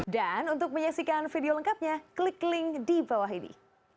dan untuk menyaksikan video lengkapnya klik link di bawah ini